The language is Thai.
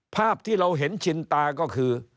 ภาพที่เราเห็นชินตาก็คือ